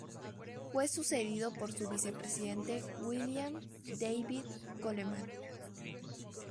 Fue sucedido por su vicepresidente William David Coleman.